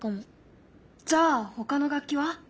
じゃあほかの楽器は？